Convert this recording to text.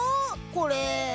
これ。